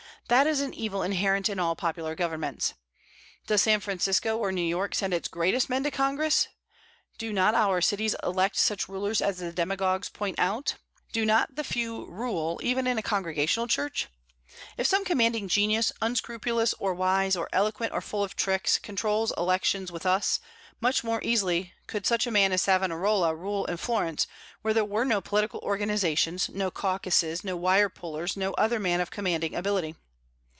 That is an evil inherent in all popular governments. Does San Francisco or New York send its greatest men to Congress? Do not our cities elect such rulers as the demagogues point out? Do not the few rule, even in a Congregational church? If some commanding genius, unscrupulous or wise or eloquent or full of tricks, controls elections with us, much more easily could such a man as Savonarola rule in Florence, where there were no political organizations, no caucuses, no wirepullers, no other man of commanding ability.